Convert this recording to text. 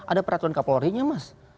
ada peraturan kapolri nya mas